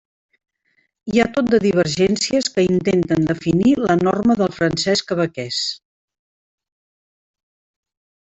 Hi ha tot de divergències que intenten definir la norma del francès quebequès.